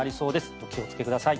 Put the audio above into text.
お気をつけください。